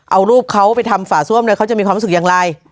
เอารูปเขาไปทำฝาซ่วมเนี่ยเขาจะมีความรู้สึกอย่างไร